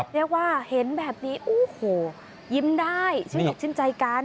เรียกว่าเห็นแบบนี้โอ้โหยิ้มได้ชิ้นใจกัน